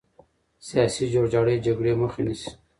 سیاسي جوړجاړی جګړې مخه نیسي